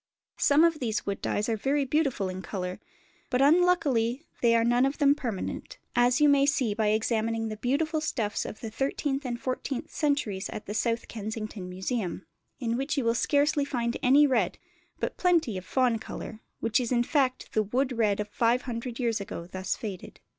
Some of these wood dyes are very beautiful in colour; but unluckily they are none of them permanent, as you may see by examining the beautiful stuffs of the thirteenth and fourteenth centuries at the South Kensington Museum, in which you will scarcely find any red, but plenty of fawn colour, which is in fact the wood red of 500 years ago thus faded.